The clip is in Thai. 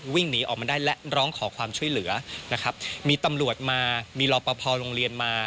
วิ่งหนีออกมาได้และร้องขอความช่วยเหลือนะครับมีตำรวจมามีรอปภโรงเรียนมา